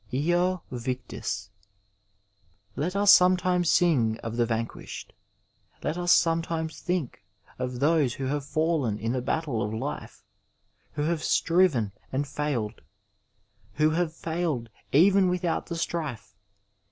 lo victis : let as sometimes sing of the van quished. Let ns sometimes think of those who have fallen in the battle of life, who have striven and failed, who have foiled even without the strife.